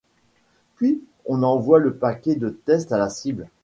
Puis, on envoie le paquet de test à la cible.